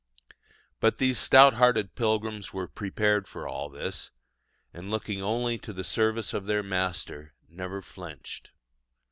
But these stout hearted pilgrims were prepared for all this, and looking only to the service of their Master, never flinched.